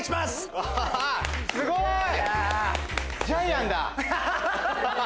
すごい！